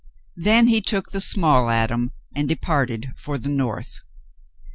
Then he took the small Adam and departed for the North.